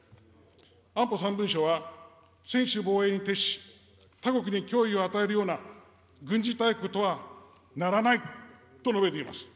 安保３文書は、専守防衛に徹し、他国に脅威を与えるような軍事大国とはならないと述べています。